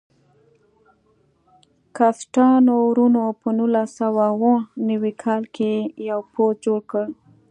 کسټانو وروڼو په نولس سوه اوه نوي کال کې یو پوځ جوړ کړ.